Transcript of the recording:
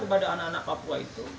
kepada anak anak papua itu